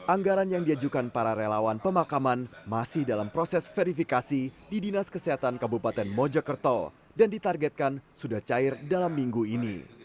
anggaran yang diajukan para relawan pemakaman masih dalam proses verifikasi di dinas kesehatan kabupaten mojokerto dan ditargetkan sudah cair dalam minggu ini